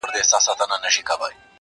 o چرگه چي ببره سي، بده جناوره سي.